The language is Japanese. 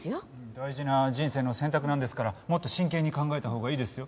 大事な人生の選択なんですからもっと真剣に考えたほうがいいですよ。